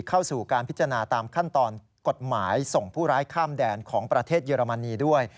เข้าสู่การพิจารณาตามขั้นตอนกฎหมายส่งผู้ร้ายข้ามแดนของประเทศเยอรมนีด้วย